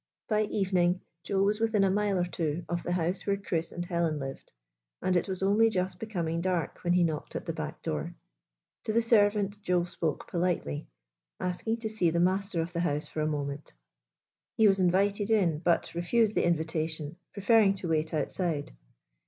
By evening Joe was within a mile or two of the house where Chris and Helen lived, and it was only just becoming dark when he knocked at the back door. To the servant Joe spoke politely, asking to 90 IN THE GYPSY CAMP see tlie master of the house for a moment. He was invited in, but refused the invitation, pre ferring to wait outside.